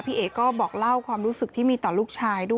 เอ๋ก็บอกเล่าความรู้สึกที่มีต่อลูกชายด้วย